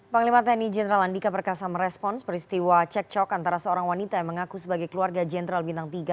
panglima tni jenderal andika perkasa merespons peristiwa cekcok antara seorang wanita yang mengaku sebagai keluarga jenderal bintang tiga